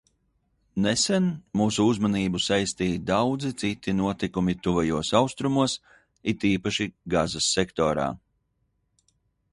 Nesen mūsu uzmanību saistīja daudzi citi notikumi Tuvajos Austrumos, it īpaši Gazas sektorā.